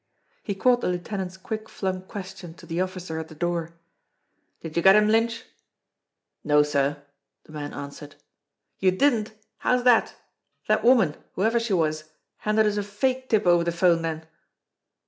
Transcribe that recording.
He caught the lieutenant's quick flung question to the officer at the door : "Did you get him, Lynch ?" "No, sir," the man answered. "You didn't! How's that? That woman, whoever she was, handed us a fake tip over the phone, then